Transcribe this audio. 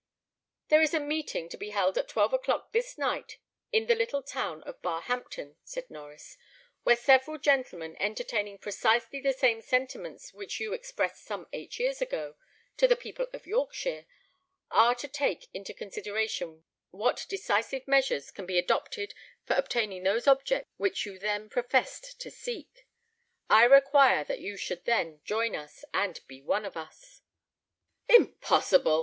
"There is a meeting to be held at twelve o'clock this night in the little town of Barhampton," said Norries, "where several gentlemen, entertaining precisely the same sentiments which you expressed some eight years ago to the people of Yorkshire, are to take into consideration what decisive measures can be adopted for obtaining those objects which you then professed to seek. I require that you should then join us, and be one of us." "Impossible!"